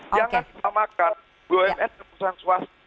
jangan kita makan bumn dan pusat swasta